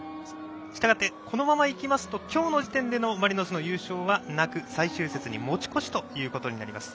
したがってこのままいきますと今日の時点でのマリノスの優勝はなく最終節に持ち越しということになります。